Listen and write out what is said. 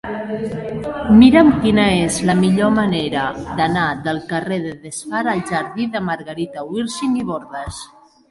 Mira'm quina és la millor manera d'anar del carrer de Desfar al jardí de Margarita Wirsing i Bordas.